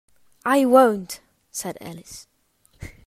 ‘I won’t!’ said Alice.